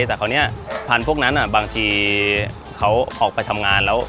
แต่คราวนี้พันธุ์พวกนั้นบางทีเขาออกไปทำงานแล้ว